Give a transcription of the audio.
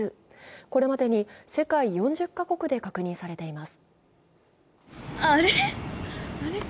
これまでに世界４０か国で確認されています。